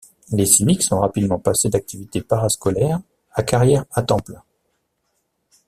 Les Cyniques sont rapidement passés d'activité parascolaire à carrière à temps plein.